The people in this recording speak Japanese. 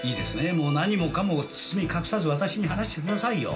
もう何もかも包み隠さず私に話してくださいよ。